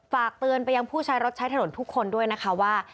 ฝากเตือนไปยังผู้ใช้รถใช้ถนนทุกคนด้วยนะคะว่า